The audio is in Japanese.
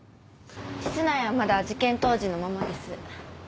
室内はまだ事件当時のままです。